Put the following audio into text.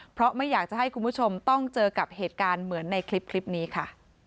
เพราะไม่อยากจะให้คุณผู้ชมต้องเจอกับเหตุการณ์เหมือนในคลิปนี้ค่ะ